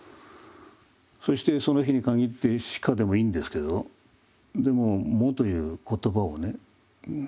そしてその日にかぎって「しか」でもいいんですけどでも「も」という言葉をね